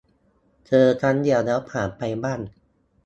เจอครั้งเดียวแล้วผ่านไปบ้าง